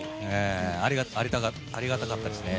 ありがたかったですね。